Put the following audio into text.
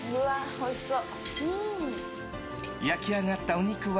おいしそう！